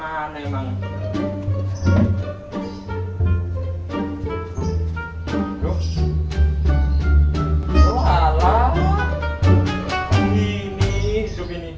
alhamdulillah kalau kita kemana emang